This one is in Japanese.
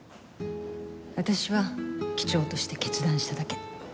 私は機長として決断しただけ。